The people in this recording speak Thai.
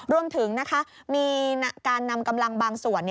รวมถึงมีการนำกำลังบางส่วน